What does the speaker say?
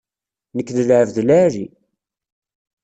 Nekk d lɛebd n lɛali.